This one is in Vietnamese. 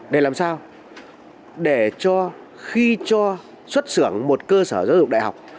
để làm sao để khi cho xuất xưởng một cơ sở giáo dục đại học